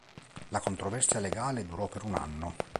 La controversia legale durò per un anno.